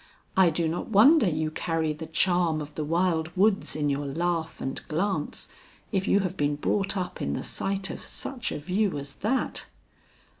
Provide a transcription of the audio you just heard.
"I do not wonder you carry the charm of the wild woods in your laugh and glance, if you have been brought up in the sight of such a view as that."